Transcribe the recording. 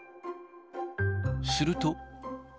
すると。